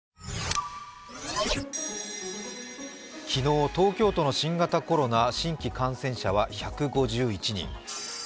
昨日東京都の新型コロナ新規感染者は１５１人。